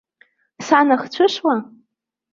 Сан ахцәышла?